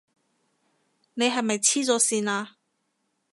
你係咪痴咗線啊？